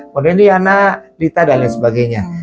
kemudian diana lita dan lain sebagainya